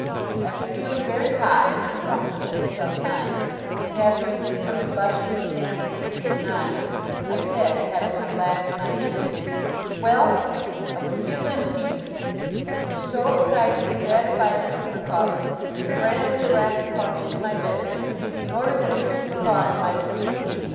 After feeling very hot and uncomfortable for some time, and after a good deal of blushing, stammering, and denying, I said, having my glass in my hand, 'Well! I would give them D.!' which so excited and gratified Mr. Micawber, that he ran with a glass of punch into my bedroom, in order that Mrs. Micawber might drink D.